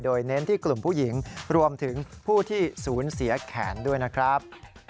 โดยเน้นที่กลุ่มผู้หญิงรวมถึงผู้ที่สูญเสียแขนด้วยนะครับ